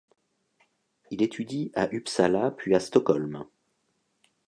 Il étudie à Uppsala puis à Stockholm.